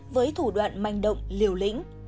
với thủ đoạn manh động liều lĩnh